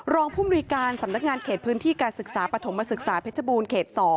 ผู้มนุยการสำนักงานเขตพื้นที่การศึกษาปฐมศึกษาเพชรบูรณเขต๒